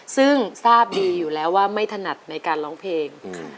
ซึ่งทราบดีอยู่แล้วว่าไม่ถนัดในการร้องเพลง